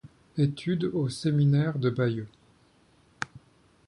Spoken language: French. Études au séminaire de Bayeux.